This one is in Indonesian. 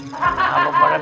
pak kiai pak kiai pak kiai